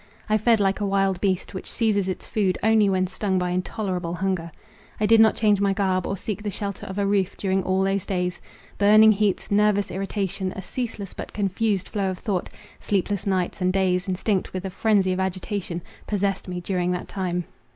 I fed like a wild beast, which seizes its food only when stung by intolerable hunger. I did not change my garb, or seek the shelter of a roof, during all those days. Burning heats, nervous irritation, a ceaseless, but confused flow of thought, sleepless nights, and days instinct with a frenzy of agitation, possessed me during that time.